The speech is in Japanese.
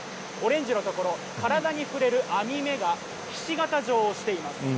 オレンジのところ、体に触れる編み目がひし形状をしています。